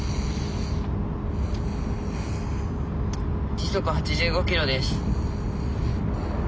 時速８５キロです。